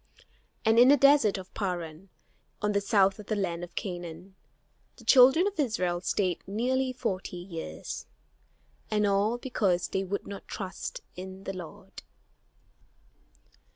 And in the desert of Paran, on the south of the land of Canaan, the children of Israel stayed nearly forty years; and all because they would not trust in the Lord.